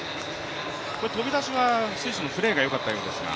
飛び出しは選手、フレイがよかったようですが。